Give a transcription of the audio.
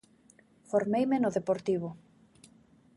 Formeime no Deportivo.